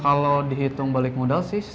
kalau dihitung balik modal sih